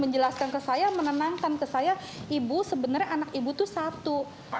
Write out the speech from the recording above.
menjelaskan ke saya menenangkan ke saya ibu sebenarnya anak ibu itu satu